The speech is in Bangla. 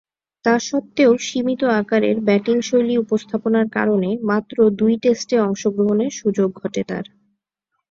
তাস্বত্ত্বেও সীমিত আকারের ব্যাটিংশৈলী উপস্থাপনার কারণে মাত্র দুই টেস্টে অংশগ্রহণের সুযোগ ঘটে তার।